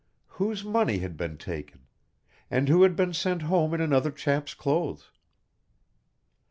Whose money had been taken, and who had been sent home in another chap's clothes?